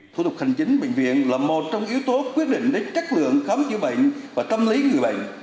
thủ tục hành chính bệnh viện là một trong yếu tố quyết định đến chất lượng khám chữa bệnh và tâm lý người bệnh